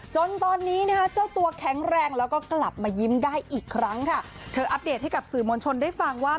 จนตอนนี้นะคะเจ้าตัวแข็งแรงแล้วก็กลับมายิ้มได้อีกครั้งค่ะเธออัปเดตให้กับสื่อมวลชนได้ฟังว่า